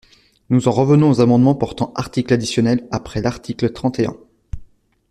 Nous en revenons aux amendements portant articles additionnels après l’article trente et un.